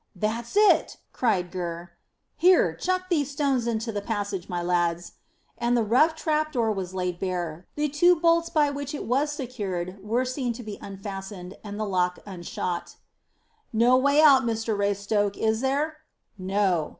"That's it!" cried Gurr. "Here, chuck these stones into the passage, my lads;" and the rough trap door was laid bare, the two bolts by which it was secured were seen to be unfastened, and the lock unshot. "No way out, Mr Raystoke, is there?" "No."